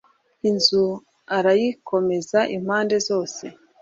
inzu arayikomeza impande zose